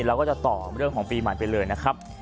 เราก็จะต่อเรื่องของปีใหม่ไปเลยนะครับ